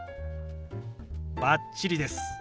バッチリです。